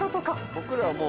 僕らはもう。